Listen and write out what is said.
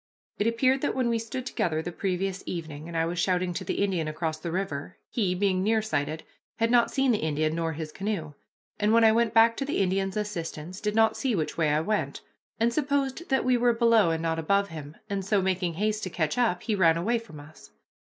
It appeared that when we stood together the previous evening, and I was shouting to the Indian across the river, he, being nearsighted, had not seen the Indian nor his canoe, and when I went back to the Indian's assistance, did not see which way I went, and supposed that we were below and not above him, and so, making haste to catch up, he ran away from us.